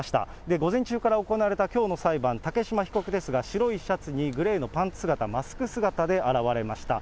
午前中から行われたきょうの裁判、竹島被告ですが、白いシャツにグレーのパンツ姿、マスク姿で現れました。